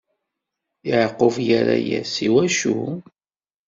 Yeɛqub irra-yas: I wacu?